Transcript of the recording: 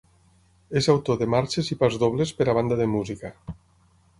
És autor de marxes i pasdobles per a banda de música.